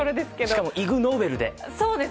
しかも、イグ・ノーベル賞で！